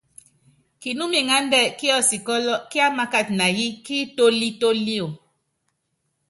Kinúmiŋándɛ́ kiɔ́sikɔ́lɔ, kiámákat na yí ki itólítólio.